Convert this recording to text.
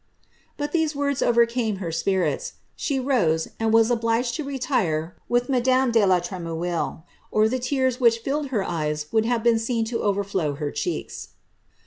But these few words overcame her spirits ; she rose, and was obliged to retire with madame de la Tremouille, or Uie tears which filled her eyes would have been seen to overflow her cheeks.